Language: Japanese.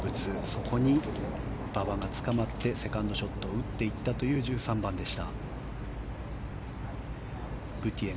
そこに馬場がつかまってセカンドショットを打っていったという１３番でした。